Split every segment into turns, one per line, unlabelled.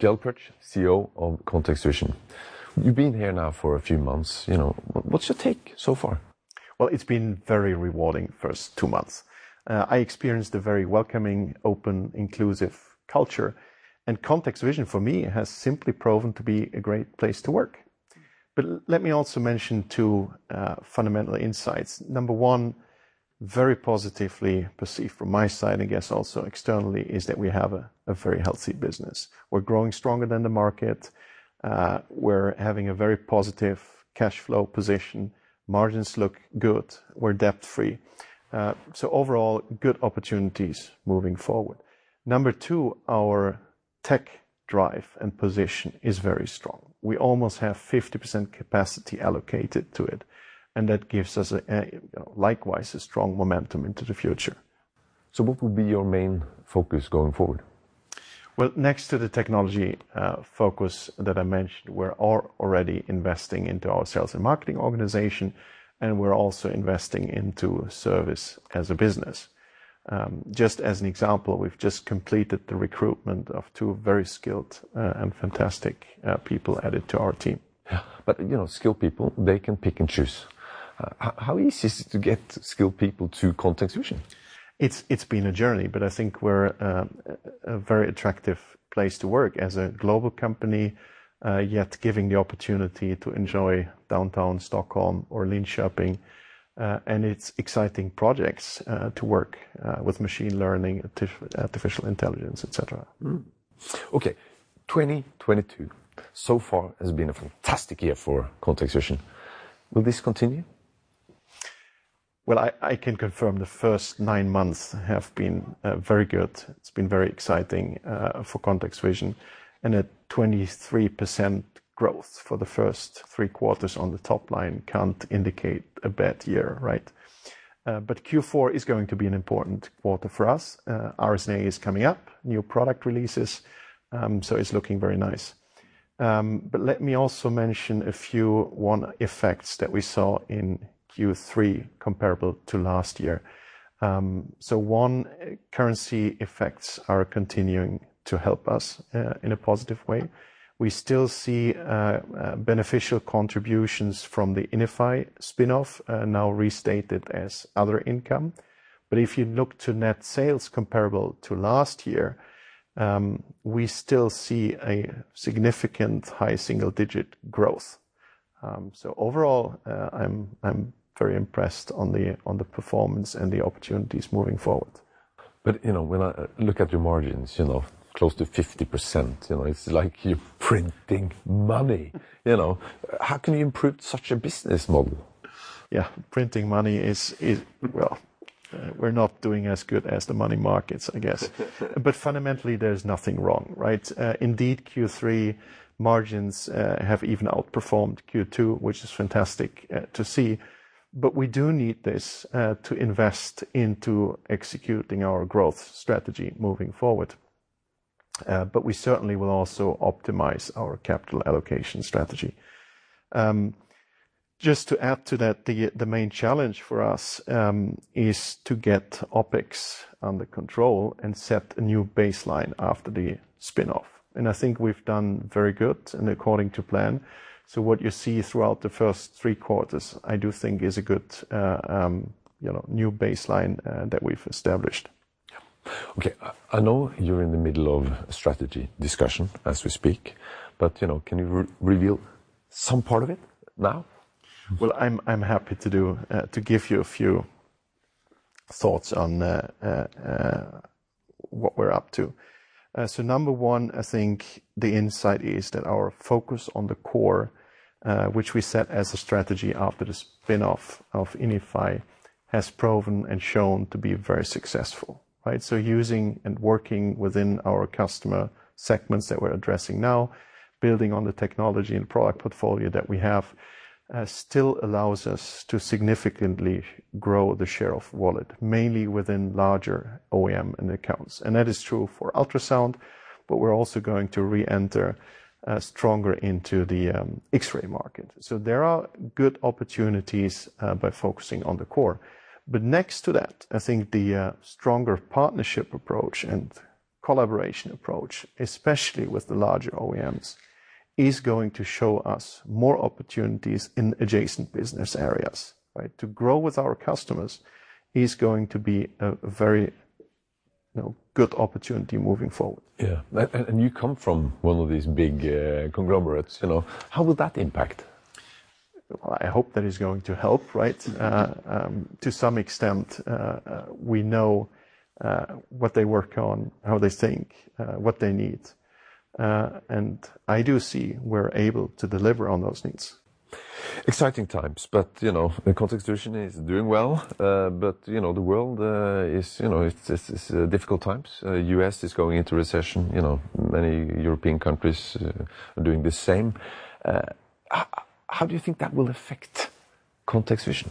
Gerald Pötzsch, CEO of ContextVision. You've been here now for a few months, you know. What's your take so far?
Well, it's been very rewarding first two months. I experienced a very welcoming, open, inclusive culture. ContextVision, for me, has simply proven to be a great place to work. let me also mention two fundamental insights. Number one, very positively perceived from my side and I guess also externally, is that we have a very healthy business. We're growing stronger than the market. We're having a very positive cash flow position. Margins look good. We're debt-free. overall, good opportunities moving forward. Number two, our tech drive and position is very strong. We almost have 50% capacity allocated to it, and that gives us a you know likewise a strong momentum into the future.
What would be your main focus going forward?
Well, next to the technology focus that I mentioned, we're already investing into our sales and marketing organization, and we're also investing into service as a business. Just as an example, we've just completed the recruitment of two very skilled and fantastic people added to our team.
Yeah. You know, skilled people, they can pick and choose. How easy is it to get skilled people to ContextVision?
It's been a journey, but I think we're a very attractive place to work, as a global company, yet giving the opportunity to enjoy downtown Stockholm or Linköping. It's exciting projects to work with machine learning, artificial intelligence, et cetera.
Okay, 2022 so far has been a fantastic year for ContextVision. Will this continue?
Well, I can confirm the first nine months have been very good. It's been very exciting for ContextVision, and 23% growth for the first three quarters on the top line can't indicate a bad year, right? Q4 is going to be an important quarter for us. RSNA is coming up, new product releases. It's looking very nice. Let me also mention a few key effects that we saw in Q3 comparable to last year. One, currency effects are continuing to help us in a positive way. We still see beneficial contributions from the Inify spin-off, now restated as other income. If you look to net sales comparable to last year, we still see a significant high single-digit growth. Overall, I'm very impressed on the performance and the opportunities moving forward.
You know, when I look at your margins, you know, close to 50%, you know, it's like you're printing money, you know. How can you improve such a business model?
Yeah. Printing money is. Well, we're not doing as good as the money markets, I guess. Fundamentally there's nothing wrong, right? Indeed, Q3 margins have even outperformed Q2, which is fantastic to see. We do need this to invest into executing our growth strategy moving forward. We certainly will also optimize our capital allocation strategy. Just to add to that, the main challenge for us is to get OpEx under control and set a new baseline after the spin-off. I think we've done very good and according to plan. What you see throughout the first three quarters, I do think is a good you know new baseline that we've established.
Yeah. Okay. I know you're in the middle of a strategy discussion as we speak, but, you know, can you reveal some part of it now?
Well, I'm happy to give you a few thoughts on what we're up to. Number one, I think the insight is that our focus on the core, which we set as a strategy after the spin-off of Inify, has proven and shown to be very successful, right? Using and working within our customer segments that we're addressing now, building on the technology and product portfolio that we have, still allows us to significantly grow the share of wallet, mainly within larger OEM and accounts. That is true for ultrasound, but we're also going to reenter stronger into the X-ray market. There are good opportunities by focusing on the core. Next to that, I think the stronger partnership approach and collaboration approach, especially with the larger OEMs, is going to show us more opportunities in adjacent business areas, right? To grow with our customers is going to be a very, you know, good opportunity moving forward.
Yeah. You come from one of these big conglomerates, you know. How will that impact?
I hope that is going to help, right? To some extent, we know what they work on, how they think, what they need. I do see we're able to deliver on those needs.
Exciting times, but you know and ContextVision is doing well. You know, the world is, you know, it's difficult times. The U.S. is going into recession, you know. Many European countries are doing the same. How do you think that will affect ContextVision?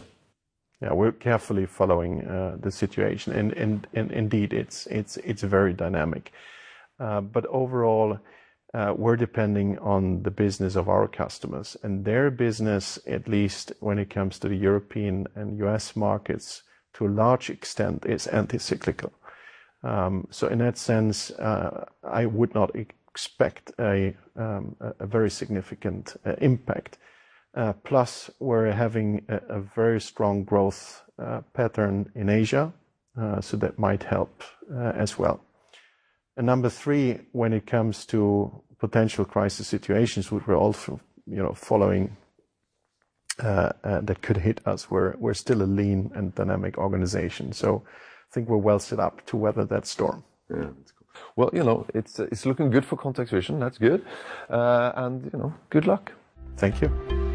Yeah. We're carefully following the situation and indeed, it's very dynamic. Overall, we're depending on the business of our customers, and their business, at least when it comes to the European and U.S. markets, to a large extent is anti-cyclical. In that sense, I would not expect a very significant impact. Plus, we're having a very strong growth pattern in Asia, so that might help as well. Number three, when it comes to potential crisis situations which we're also you know following, that could hit us, we're still a lean and dynamic organization, so I think we're well set up to weather that storm.
Yeah. That's cool. Well, you know, it's looking good for ContextVision. That's good. You know, good luck.
Thank you.